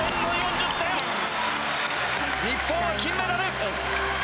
日本は金メダル！